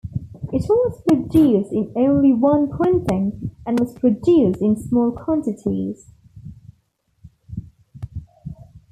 It was produced in only one printing, and was produced in small quantities.